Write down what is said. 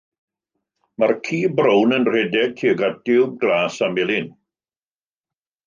Mae'r ci brown yn rhedeg tuag at diwb glas a melyn.